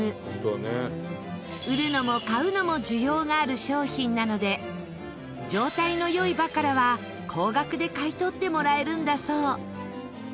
売るのも買うのも需要がある商品なので状態の良いバカラは高額で買い取ってもらえるんだそう。